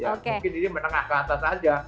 mungkin ini menengah ke atas aja